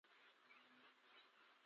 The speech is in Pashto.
موږ بايد د هر مساپر نوم او ادرس وليکو.